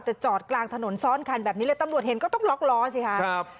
แต่จอดกลางถนนซ้อนคันแบบนี้เลยตำรวจเห็นก็ต้องล็อกล้อสิครับ